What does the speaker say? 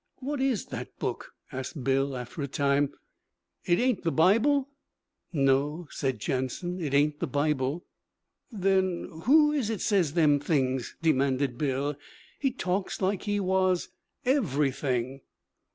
'What is that book?' asked Bill after a time. 'It ain't the Bible?' 'No,' said Jansen. 'It ain't the Bible.' 'Then who is it says them things?' demanded Bill. 'He talks like he was Everything.'